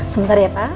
sebentar ya pak